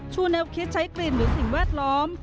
ชูแนวคิดใช้กลิ่นหรือสิ่งแวดล้อม